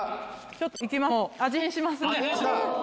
ちょっと行きます